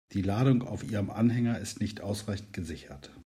Die Ladung auf Ihrem Anhänger ist nicht ausreichend gesichert.